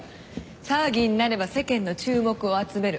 騒ぎになれば世間の注目を集める。